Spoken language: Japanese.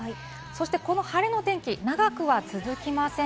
この晴れの天気、長くは続きません。